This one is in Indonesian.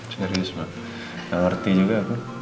serius banget yang ngerti juga aku